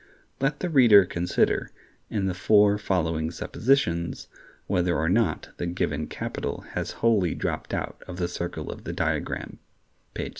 Let the reader consider, in the four following suppositions, whether or not the given capital has wholly dropped out of the circle in the diagram, page 67.